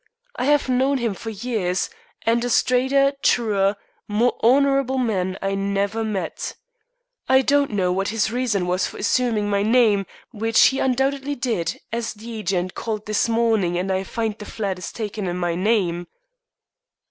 I have known him for years, and a straighter, truer, more honorable man I never met. I don't know what his reason was for assuming my name, which he undoubtedly did, as the agent called this morning, and I find the flat is taken in my name."